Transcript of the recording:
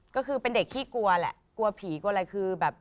ก็คือเป็นเด็กขี้กลัวแหละ